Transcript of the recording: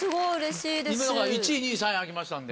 今ので１位２位３位開きましたんで。